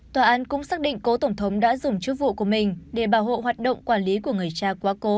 tòa án cũng xác định cố tổng thống đã dùng chức vụ của mình để bảo hộ hoạt động quản lý của người cha quá cố